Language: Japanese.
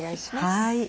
はい。